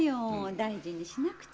大事にしなくちゃ。